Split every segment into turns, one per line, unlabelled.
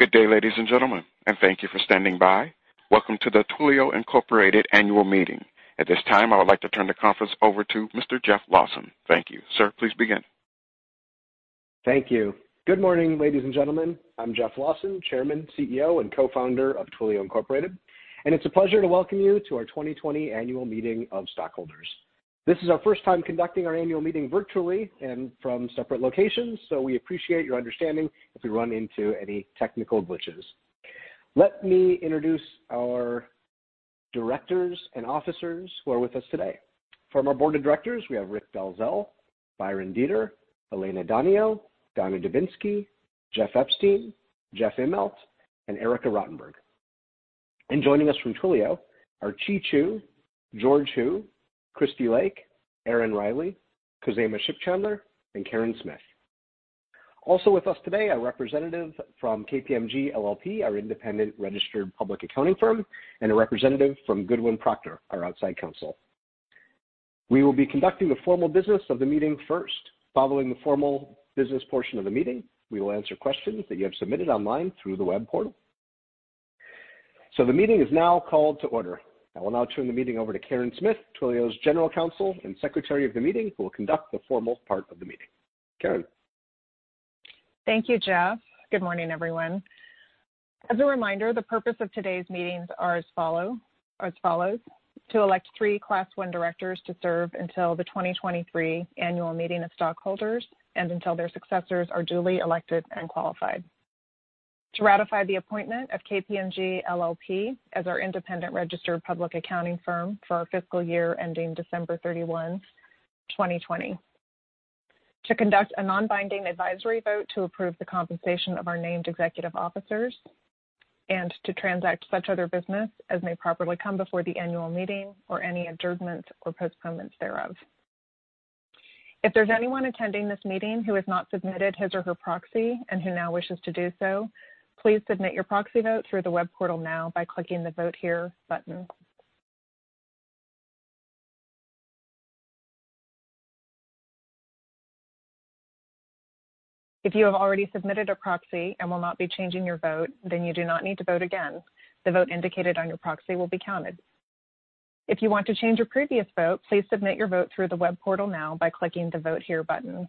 Good day, ladies and gentlemen, thank you for standing by. Welcome to the Twilio Inc annual meeting. At this time, I would like to turn the conference over to Mr. Jeff Lawson. Thank you. Sir, please begin.
Thank you. Good morning, ladies and gentlemen. I'm Jeff Lawson, Chairman, CEO, and Co-founder of Twilio Inc, and it's a pleasure to welcome you to our 2020 annual meeting of stockholders. This is our first time conducting our annual meeting virtually and from separate locations, so we appreciate your understanding if we run into any technical glitches. Let me introduce our directors and officers who are with us today. From our board of directors, we have Rick Dalzell, Byron Deeter, Elena Donio, Donna Dubinsky, Jeff Epstein, Jeff Immelt, and Erika Rottenberg. Joining us from Twilio are Chee Chew, George Hu, Christy Lake, Erin Reilly, Khozema Shipchandler, and Karyn Smith. Also with us today are a representative from KPMG LLP, our independent registered public accounting firm, and a representative from Goodwin Procter, our outside counsel. We will be conducting the formal business of the meeting first. Following the formal business portion of the meeting, we will answer questions that you have submitted online through the web portal. The meeting is now called to order. I will now turn the meeting over to Karyn Smith, Twilio's General Counsel and Secretary of the Meeting, who will conduct the formal part of the meeting. Karyn.
Thank you, Jeff. Good morning, everyone. As a reminder, the purpose of today's meetings are as follows: To elect three Class I directors to serve until the 2023 annual meeting of stockholders and until their successors are duly elected and qualified. To ratify the appointment of KPMG LLP as our independent registered public accounting firm for our fiscal year ending December 31, 2020. To conduct a non-binding advisory vote to approve the compensation of our named executive officers, and to transact such other business as may properly come before the annual meeting or any adjournments or postponements thereof. If there's anyone attending this meeting who has not submitted his or her proxy and who now wishes to do so, please submit your proxy vote through the web portal now by clicking the Vote Here button. If you have already submitted a proxy and will not be changing your vote, then you do not need to vote again. The vote indicated on your proxy will be counted. If you want to change your previous vote, please submit your vote through the web portal now by clicking the Vote Here button.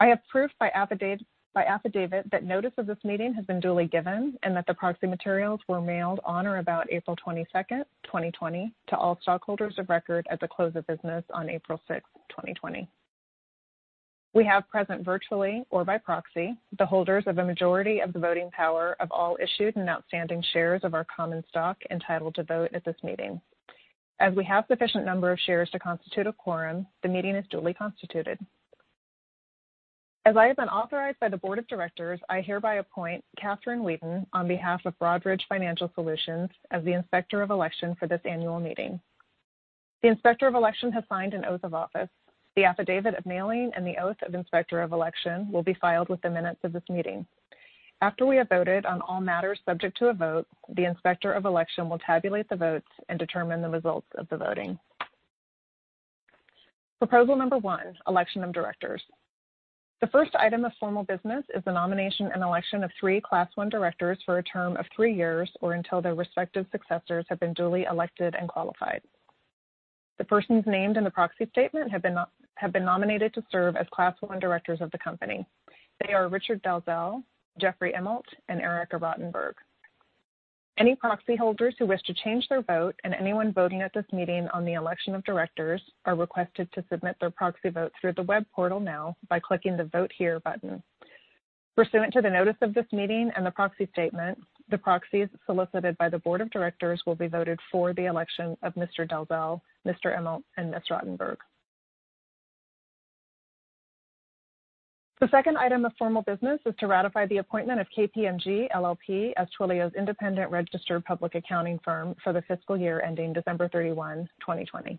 I have proof by affidavit that notice of this meeting has been duly given and that the proxy materials were mailed on or about April 22nd, 2020, to all stockholders of record at the close of business on April 6th, 2020. We have present virtually or by proxy the holders of a majority of the voting power of all issued and outstanding shares of our common stock entitled to vote at this meeting. As we have sufficient number of shares to constitute a quorum, the meeting is duly constituted. As I have been authorized by the board of directors, I hereby appoint Kathryn Wheaton on behalf of Broadridge Financial Solutions as the Inspector of Election for this annual meeting. The Inspector of Election has signed an oath of office. The affidavit of mailing and the oath of Inspector of Election will be filed with the minutes of this meeting. After we have voted on all matters subject to a vote, the Inspector of Election will tabulate the votes and determine the results of the voting. Proposal number one, election of directors. The first item of formal business is the nomination and election of 3 Class I directors for a term of three years or until their respective successors have been duly elected and qualified. The persons named in the proxy statement have been nominated to serve as Class I directors of the company. They are Richard Dalzell, Jeffrey Immelt, and Erika Rottenberg. Any proxy holders who wish to change their vote and anyone voting at this meeting on the election of directors are requested to submit their proxy vote through the web portal now by clicking the Vote Here button. Pursuant to the notice of this meeting and the proxy statement, the proxies solicited by the board of directors will be voted for the election of Mr. Dalzell, Mr. Immelt, and Ms. Rottenberg. The second item of formal business is to ratify the appointment of KPMG LLP as Twilio's independent registered public accounting firm for the fiscal year ending December 31, 2020.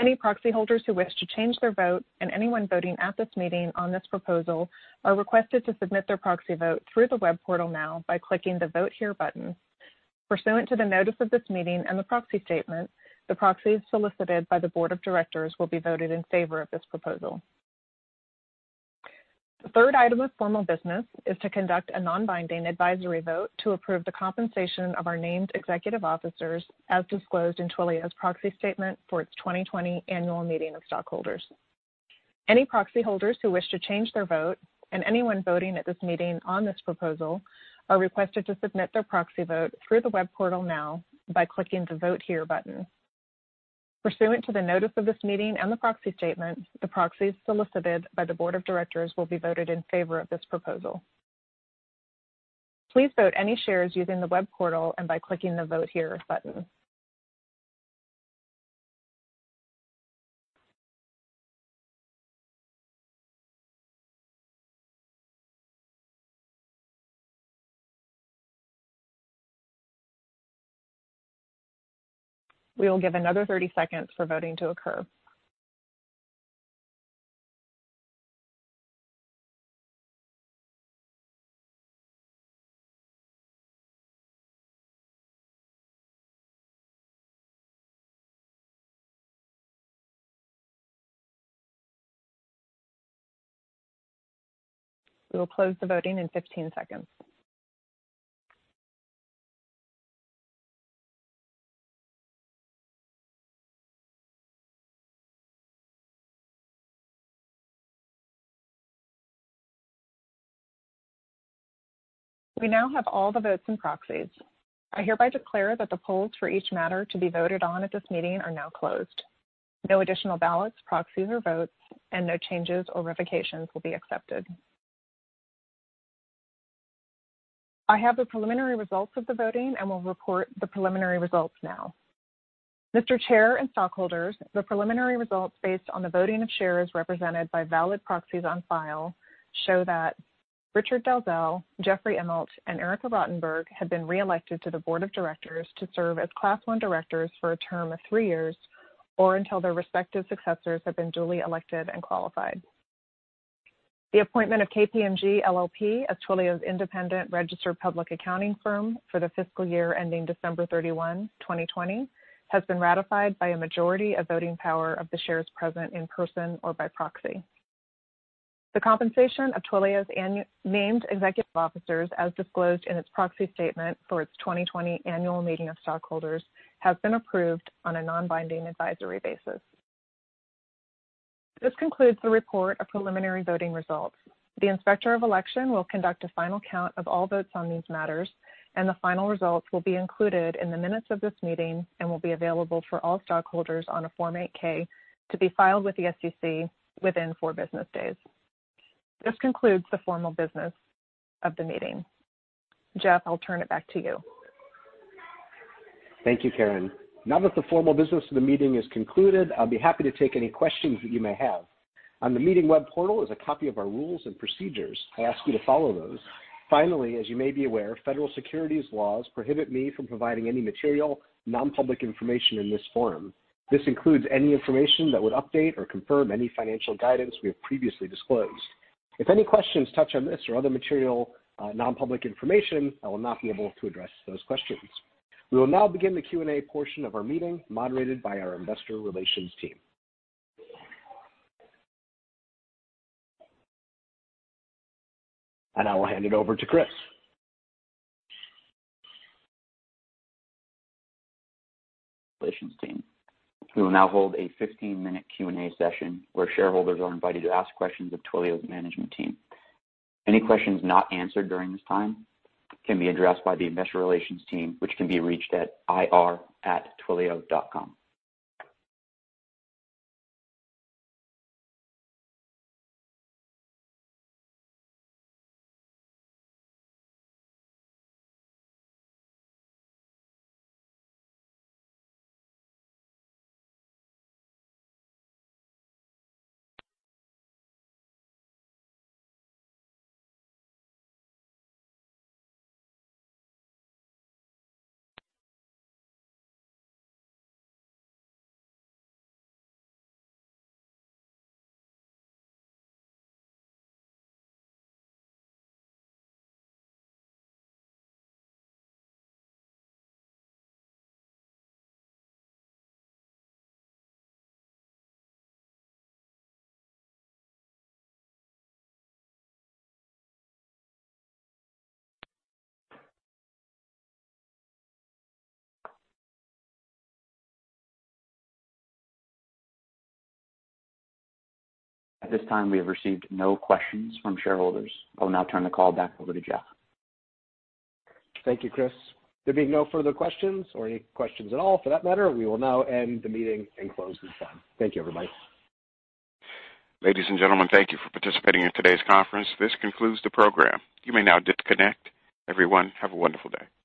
Any proxy holders who wish to change their vote and anyone voting at this meeting on this proposal are requested to submit their proxy vote through the web portal now by clicking the Vote Here button. Pursuant to the notice of this meeting and the proxy statement, the proxies solicited by the board of directors will be voted in favor of this proposal. The third item of formal business is to conduct a non-binding advisory vote to approve the compensation of our named executive officers as disclosed in Twilio's proxy statement for its 2020 annual meeting of stockholders. Any proxy holders who wish to change their vote and anyone voting at this meeting on this proposal are requested to submit their proxy vote through the web portal now by clicking the Vote Here button. Pursuant to the notice of this meeting and the proxy statement, the proxies solicited by the board of directors will be voted in favor of this proposal. Please vote any shares using the web portal and by clicking the Vote Here button. We will give another 30 seconds for voting to occur. We will close the voting in 15 seconds. We now have all the votes and proxies. I hereby declare that the polls for each matter to be voted on at this meeting are now closed. No additional ballots, proxies, or votes, and no changes or revocations will be accepted. I have the preliminary results of the voting and will report the preliminary results now. Mr. Chair and stockholders, the preliminary results based on the voting of shares represented by valid proxies on file show that Richard Dalzell, Jeffrey Immelt, and Erika Rottenberg have been reelected to the board of directors to serve as class 1 directors for a term of three years, or until their respective successors have been duly elected and qualified. The appointment of KPMG LLP as Twilio's independent registered public accounting firm for the fiscal year ending December 31, 2020, has been ratified by a majority of voting power of the shares present in person or by proxy. The compensation of Twilio's named executive officers, as disclosed in its proxy statement for its 2020 annual meeting of stockholders, has been approved on a non-binding advisory basis. This concludes the report of preliminary voting results. The Inspector of Election will conduct a final count of all votes on these matters, and the final results will be included in the minutes of this meeting and will be available for all stockholders on a Form 8-K to be filed with the SEC within four business days. This concludes the formal business of the meeting. Jeff, I'll turn it back to you.
Thank you, Karyn. Now that the formal business of the meeting is concluded, I'll be happy to take any questions that you may have. On the meeting web portal is a copy of our rules and procedures. I ask you to follow those. Finally, as you may be aware, federal securities laws prohibit me from providing any material, non-public information in this forum. This includes any information that would update or confirm any financial guidance we have previously disclosed. If any questions touch on this or other material, non-public information, I will not be able to address those questions. We will now begin the Q&A portion of our meeting, moderated by our investor relations team. I will hand it over to Chris.
Relations team. We will now hold a 15-minute Q&A session where shareholders are invited to ask questions of Twilio's management team. Any questions not answered during this time can be addressed by the investor relations team, which can be reached at ir@twilio.com. At this time, we have received no questions from shareholders. I will now turn the call back over to Jeff.
Thank you, Chris. There being no further questions or any questions at all for that matter, we will now end the meeting and close this time. Thank you, everybody.
Ladies and gentlemen, thank you for participating in today's conference. This concludes the program. You may now disconnect. Everyone, have a wonderful day.